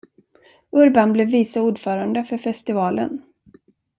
Urban blev vice ordförande för festivalen.